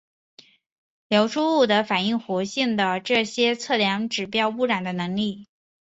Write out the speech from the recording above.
流出物的反应活性的这些测量指示污染的能力。